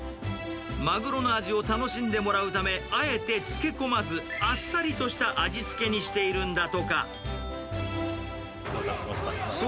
マグロの味を楽しんでもらうため、あえて漬け込まず、あっさりとした味付けにしているんだとか。